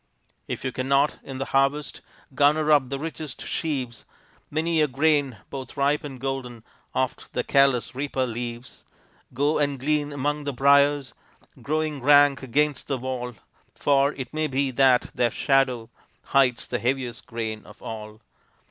If you cannot in the harvest Garner up the richest sheaves, Many a grain, both ripe and golden, Oft the careless reaper leaves; Go and glean among the briars Growing rank against the wall, For it may be that their shadow Hides the heaviest grain of all.